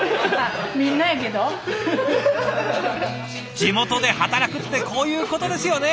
地元で働くってこういうことですよね！